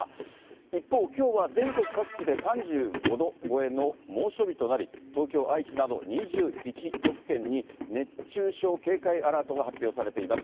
一方、きょうは全国各地で３５度超えの猛暑日となり、東京、愛知など２１都府県に熱中症警戒アラートが発表されています。